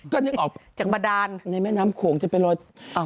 ก็ยังออกในแม่น้ำโขงจะเป็นรอยอะ